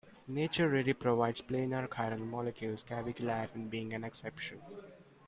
Nature rarely provides planar chiral molecules, cavicularin being an exception.